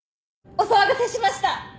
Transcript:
お騒がせしました。